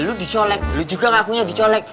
lo dicolet lo juga ngakunya dicolet